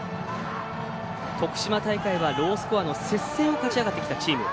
徳島大会はロースコアの接戦を勝ち上がってきたチーム。